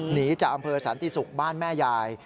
หนีจากอำเภอสันติศุกร์บ้านแม่ยาย